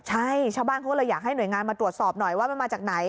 ใช่ชาวบ้านเขาก็เลยอยากให้หน่วยงานมาตรวจสอบหน่อยว่ามันมาจากไหน